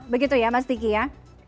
begitu ya mas diki ya